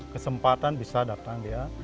kesempatan bisa datang dia